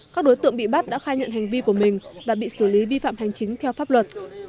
các đối tượng bị bắt đã khai nhận hành vi của mình và bị xử lý vi phạm hành chính theo pháp luật